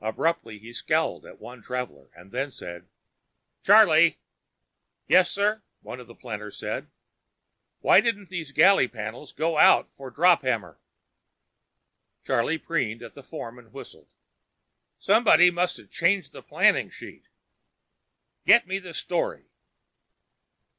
Abruptly he scowled at one traveler, then said, "Charlie!" "Yes, sir," one of the planners said. "Why didn't these galley panels go out for drop hammer?" Charlie peered at the form and whistled. "Somebody must have changed the planning sheet." "Get me the story!"